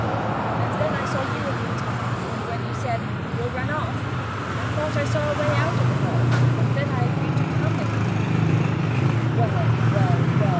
And then I saw you a few times, and when you said, "We'll run off," I thought I saw a way out of it all, and then I agreed to come with you oo oo!' 'Well! well! well!